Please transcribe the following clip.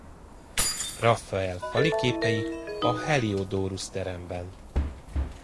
Raffael falképei a Heliodorus-teremben.